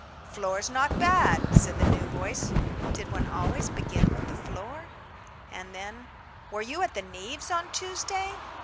"Floor's not bad," said the new voice. Did one always begin with the floor? And then, "Were you at the Neaves' on Tuesday?"